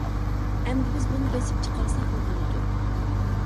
ئەمدى بىز بۇنى بېسىپ چىقارساقلا بولىدۇ.